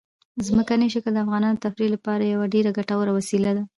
ځمکنی شکل د افغانانو د تفریح لپاره یوه ډېره ګټوره وسیله ده.